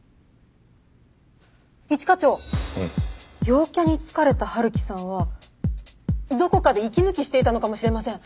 陽キャに疲れた陽木さんはどこかで息抜きしていたのかもしれません。